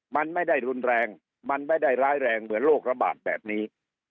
มันไม่ได้รุนแรงมันไม่ได้ร้ายแรงเหมือนโรคระบาดแบบนี้